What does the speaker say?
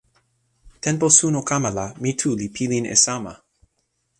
tenpo suno kama la mi tu li pilin e sama.